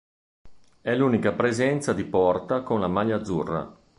È l'unica presenza di Porta con la maglia azzurra..